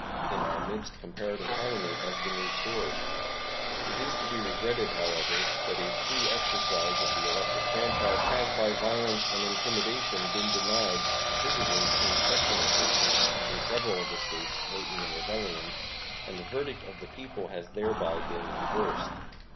In our midst comparative harmony has been restored. It is to be regretted, however, that a free exercise of the elective franchise has by violence and intimidation been denied to citizens in exceptional cases in several of the States lately in rebellion, and the verdict of the people has thereby been reversed.